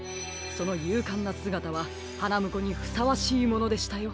そのゆうかんなすがたははなむこにふさわしいものでしたよ。